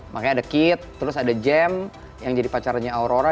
makanya ada kit terus ada jam yang jadi pacarannya aurora